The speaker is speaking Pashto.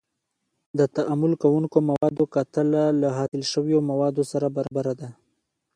د تعامل کوونکو موادو کتله له حاصل شویو موادو سره برابره ده.